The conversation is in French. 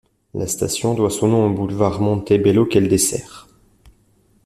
La station doit son nom au boulevard Montebello qu'elle dessert.